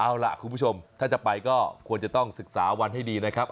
เอาล่ะคุณผู้ชมถ้าจะไปก็ควรจะต้องศึกษาวันให้ดีนะครับ